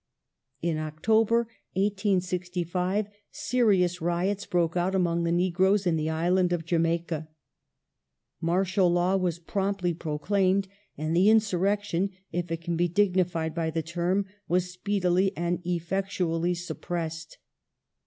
In October, 1865, serious riots broke out among the negroes in Negro the island of Jamaica Martial law was promptly proclaimed, and '^surrec the insurrection, if it can be dignified by the term, was speedily Jamaica, and effectually suppressed.